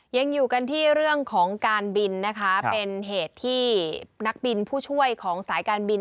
ยังอยู่กันที่เรื่องของการบินเป็นเหตุที่นักบินผู้ช่วยของสายการบิน